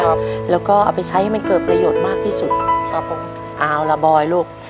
ครับแล้วก็เอาไปใช้ให้มันเกิดประโยชน์มากที่สุดครับผมเอาละบอยลูก